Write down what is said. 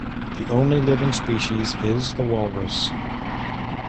The only living species is the walrus.